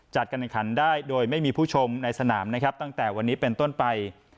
จัดการแข่งขันได้โดยไม่มีผู้ชมในสนามนะครับตั้งแต่วันนี้เป็นต้นไป